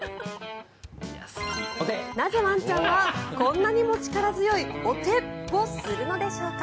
なぜワンちゃんはこんなにも力強いお手をするのでしょうか。